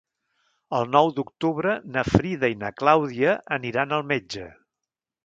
El nou d'octubre na Frida i na Clàudia aniran al metge.